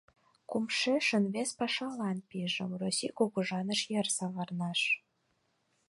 Кумшешын вес пашалан пижым: Россий кугыжаныш йыр савырнаш.